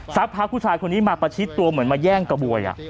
สักพักกลับมาประชิตตัวมันเย่งกระบวย